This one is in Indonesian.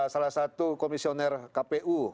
salah satu komisioner kpu